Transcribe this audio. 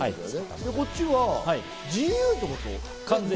こっちは自由ってこと？